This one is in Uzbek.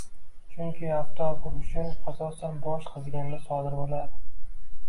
Chunki oftob o`rishi asosan bosh qiziganda sodir bo`ladi